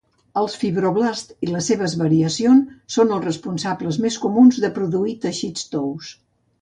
Els fibroblasts i les seves variacions són els responsables més comuns de produir teixits tous.